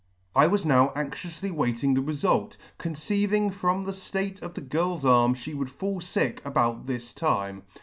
I was now anxioufly waiting the refult, conceiving from the flate of the girPs arm fhe would fall Tick about this time.